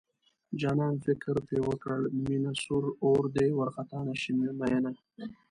جانانه فکر پکې وکړه مينه سور اور دی وارخطا نشې مينه